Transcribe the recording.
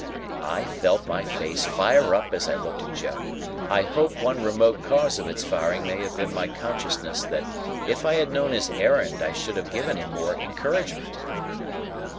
'" I felt my face fire up as I looked at Joe. I hope one remote cause of its firing may have been my consciousness that if I had known his errand, I should have given him more encouragement.